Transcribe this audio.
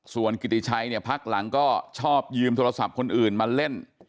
ส่วนกิติชัยเนี่ยพักหลังก็ชอบยืมโทรศัพท์คนอื่นมาเล่น